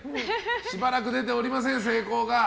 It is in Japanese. しばらく出ておりません、成功が。